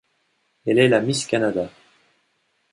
Elle est la Miss Canada.